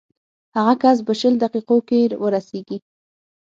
هغه کس به شل دقیقو کې ورسېږي.